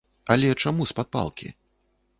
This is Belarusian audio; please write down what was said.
Але чаму з-пад палкі?